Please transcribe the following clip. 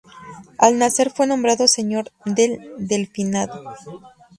Al nacer fue nombrado Señor del Delfinado.